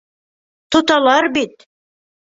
Тоталар бит!